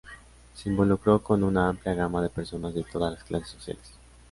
Se involucró con una amplia gama de personas de todas las clases sociales.